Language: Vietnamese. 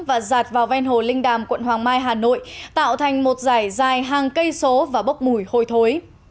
và giạt vào ven hồ linh đàm quận hoàng mai hà nội tạo thành một giải dài hàng cây số và bốc mùi hôi thối